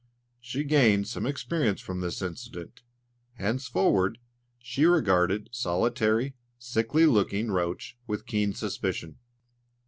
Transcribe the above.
She gained some experience from this incident; henceforward, she regarded solitary, sickly looking roach with keen suspicion.